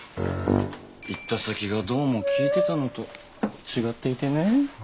行った先がどうも聞いてたのと違っていてね。